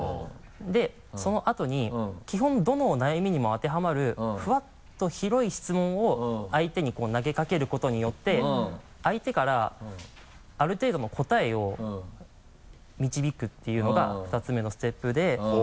でそのあとに基本どの悩みにも当てはまるフワッと広い質問を相手に投げかけることによって相手からある程度の答えを導くっていうのが２つ目のステップで。